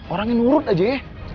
orangnya nurut aja ya